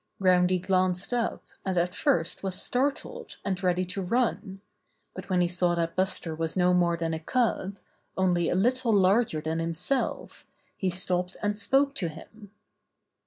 Groundy glanced up, and at first was startled and ready to run ; but when he saw that Buster was no more than a cub, only a little larger than himself, he stopped and spoke to him.